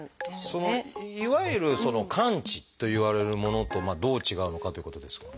いわゆる「完治」といわれるものとどう違うのかということですが。